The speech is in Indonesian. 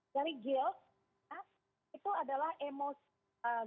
dari guilt itu adalah emosi